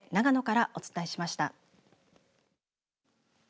ここまで長野からお伝えしました。